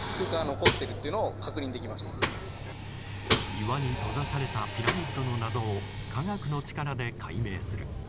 岩に閉ざされたピラミッドの謎を科学の力で解明する。